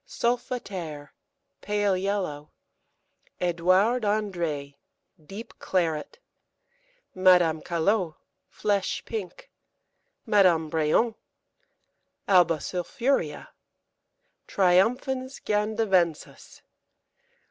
Solfaterre, pale yellow. Edouard André, deep claret. Madame Calot, flesh pink. Madame Bréon. Alba sulfurea. Triomphans gandavensis.